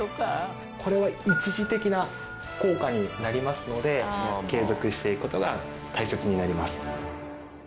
これは一時的な効果になりますので継続していくことが大切になります。